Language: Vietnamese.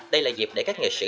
đây là dịp để các nghệ sĩ